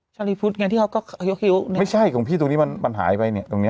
ชาลีพุธไงที่เขาก็ไม่ใช่ของพี่ตรงนี้มันมันหายไปเนี่ยตรงเนี้ย